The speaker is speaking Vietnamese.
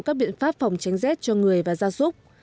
các biện pháp phòng tránh rét cho người và gia súc